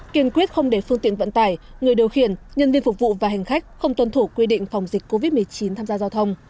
kiên quyết không để phương tiện vận tải người điều khiển nhân viên phục vụ và hành khách không tuân thủ quy định phòng dịch covid một mươi chín tham gia giao thông